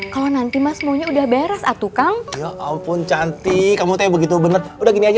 kalau nanti mas punya udah beres atau kang ya ampun cantik kamu begitu bener udah gini aja